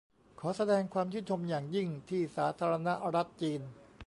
ขอแสดงความชื่นชมอย่างยิ่งที่สาธารณรัฐจีน